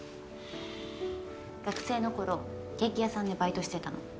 学生の頃ケーキ屋さんでバイトしてたの。